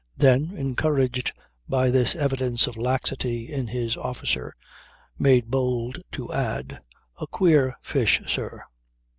Then, encouraged by this evidence of laxity in his officer, made bold to add, "A queer fish, sir."